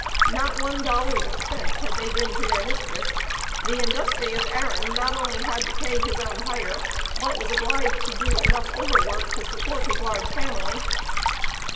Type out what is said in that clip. Not one dollar's expense had they been to their mistress. The industrious Aaron not only had to pay his own hire, but was obliged to do enough over work to support his large family.